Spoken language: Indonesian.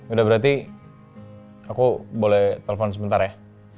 udah berarti aku boleh telepon sebentar ya